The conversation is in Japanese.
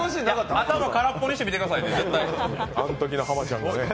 頭、空っぽにして見てくださいね。